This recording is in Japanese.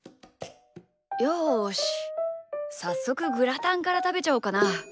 よしさっそくグラタンからたべちゃおうかな。